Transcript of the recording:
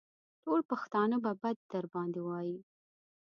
ټول پښتانه به بد در باندې وايي.